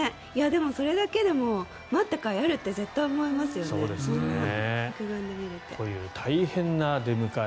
それだけでも待ったかいがあるって絶対思いますよね。という大変な出迎え